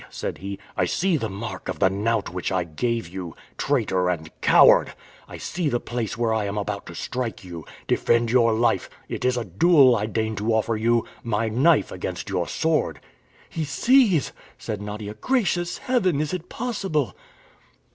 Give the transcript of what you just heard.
said he. "I see the mark of the knout which I gave you, traitor and coward! I see the place where I am about to strike you! Defend your life! It is a duel I deign to offer you! My knife against your sword!" "He sees!" said Nadia. "Gracious Heaven, is it possible!"